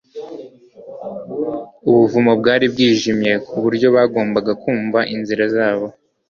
ubuvumo bwari bwijimye kuburyo bagombaga kumva inzira zabo